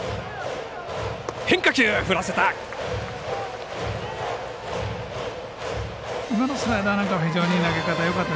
変化球を振らせた。